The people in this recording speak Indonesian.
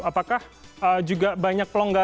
apakah juga banyak pelonggaran